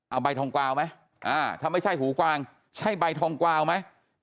เอาใบทองกวาวไหมถ้าไม่ใช่หูกวางใช่ใบทองกวาวไหม